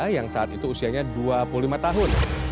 yang saat itu usianya dua puluh lima tahun